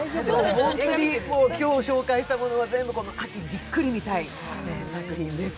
今日紹介したものは全部この秋じっくり見たい作品です。